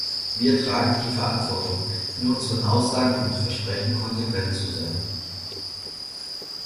Wir tragen die Verantwortung, in unseren Aussagen und Versprechen konsequent zu sein.